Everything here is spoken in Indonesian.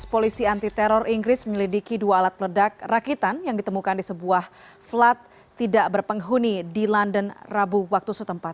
polisi anti teror inggris menyelidiki dua alat peledak rakitan yang ditemukan di sebuah flat tidak berpenghuni di london rabu waktu setempat